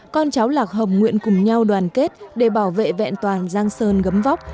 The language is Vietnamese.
con cháu lạc hồng nguyện cùng nhau đoàn kết để bảo vệ vẹn toàn giang sơn gấm vóc